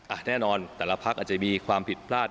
แน่นอนแต่ละพักอาจจะมีความผิดพลาด